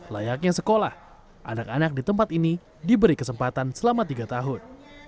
layaknya sekolah anak anak di tempat ini diberi kesempatan selama tiga tahun